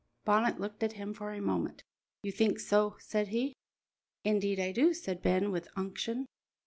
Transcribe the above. Bonnet looked at him for a moment. "You think so?" said he. "Indeed I do," said Ben, with unction.